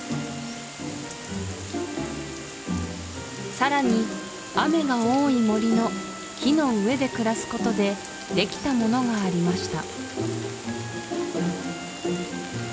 さらに雨が多い森の木の上で暮らすことでできたものがありました